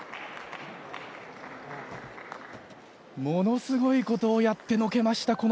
ものすごいことをやってのけました。